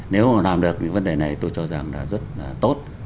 nếu mà làm được những vấn đề này tôi cho rằng là rất là tốt